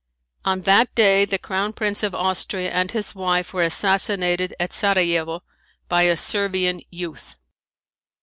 On that day the Crown Prince of Austria and his wife were assassinated at Sarajevo by a Servian youth.